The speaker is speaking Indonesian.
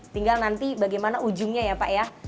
tinggal nanti bagaimana ujungnya ya pak ya